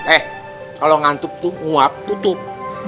eh kalau ngantuk tuh uap tutup